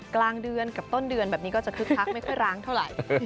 กลางเดือนกับต้นเดือนแบบนี้ก็จะคึกคักไม่ค่อยร้างเท่าไหร่